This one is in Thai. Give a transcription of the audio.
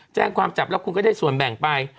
แจ้งความจับแล้วคุณก็ได้ส่วนแบ่งไป